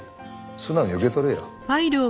素直に受け取れよ。